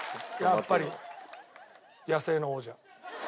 やっぱり野生の王者。